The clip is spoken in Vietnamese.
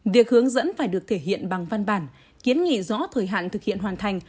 việc hướng dẫn phải được thể hiện bằng văn bản kiến nghị rõ thời hạn thực hiện hoàn thành